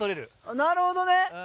なるほどね。